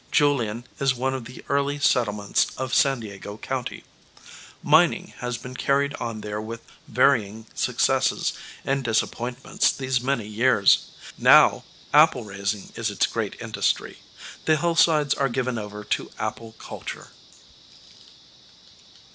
Julian is one of the early settlements of San Diego County. Mining has been carried on there with varying successes and disappointments these many years. Now apple raising is its great industry. The hillsides are given over to apple culture.